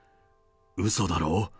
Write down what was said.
うそだろ？